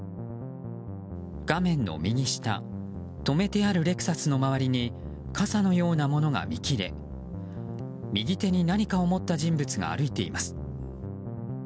画面の右下止めてあるレクサスの周りに傘のようなものが見切れ右手に何かを持った人物が歩いています。